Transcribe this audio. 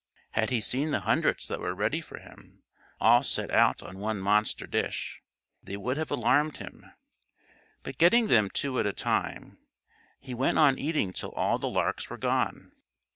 Had he seen the hundreds that were ready for him, all set out on one monster dish, they would have alarmed him; but getting them two at a time, he went on eating till all the larks were gone.